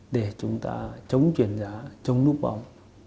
để chúng ta chống chuyển giá chống nút bóng